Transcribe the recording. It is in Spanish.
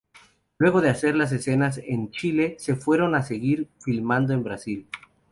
Luego de hacer las escenas en Chile se fueron a seguir filmando en Brasil.